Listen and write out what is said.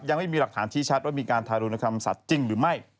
ยังไม่มีหลักฐานชี้ชัดว่ามีการทารุณกรรมสัตว์จริงหรือไม่